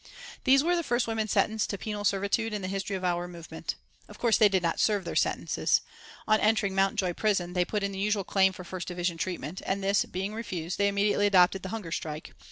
These were the first women sentenced to penal servitude in the history of our movement. Of course they did not serve their sentences. On entering Mountjoy Prison they put in the usual claim for first division treatment, and this being refused, they immediately adopted the hunger strike.